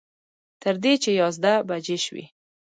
تر دې چې یازده بجې شوې.